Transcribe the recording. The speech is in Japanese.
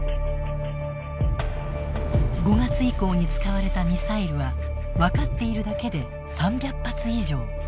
５月以降に使われたミサイルは分かっているだけで３００発以上。